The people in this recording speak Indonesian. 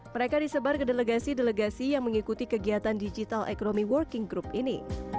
mereka disebar ke delegasi delegasi yang mengikuti kegiatan digital economy working group ini